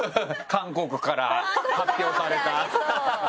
韓国から発表された。